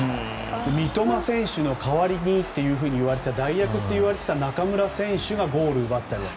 三笘選手の代わりにというふうにいわれていた代役といわれていた中村選手がゴールを奪ったり。